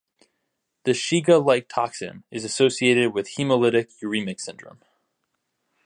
The Shiga-like toxin is associated with hemolytic-uremic syndrome.